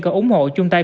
còn ủng hộ chung tay